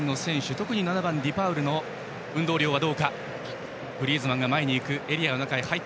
特に７番のデパウルの運動量はどうか。